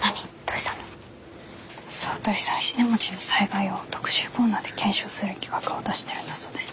石音町の災害を特集コーナーで検証する企画を出してるんだそうです。